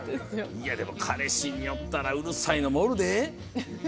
いやでも、彼氏によったら、うるさいのもおるで。